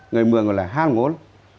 người mường gọi là hai ngốn